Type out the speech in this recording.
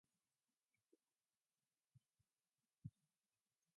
Recent history has seen the Gaiters undergo significant movement.